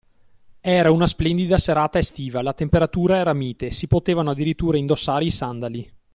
Era una splendida serata estiva, la temperatura era mite, si potevano addirittura indossare i sandali.